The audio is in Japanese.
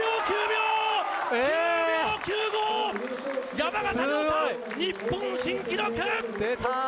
山縣、日本新記録！